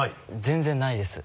全然ないです。